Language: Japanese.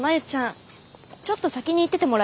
ちょっと先に行っててもらえる？